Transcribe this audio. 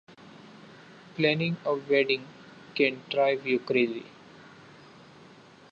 Planning a wedding can drive you crazy!